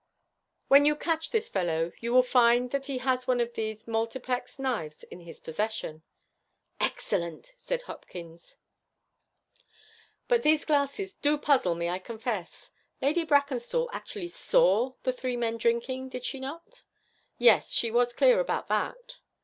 When you catch this fellow, you will find that he has one of these multiplex knives in his possession.' 'Excellent!' said Hopkins. 'But these glasses do puzzle me, I confess. Lady Brackenstall actually saw the three men drinking, did she not?' 'Yes; she was clear about that.'